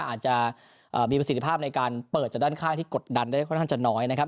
อาจจะมีประสิทธิภาพในการเปิดจากด้านข้างที่กดดันได้ค่อนข้างจะน้อยนะครับ